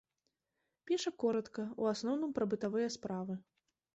Піша коратка, у асноўным, пра бытавыя справы.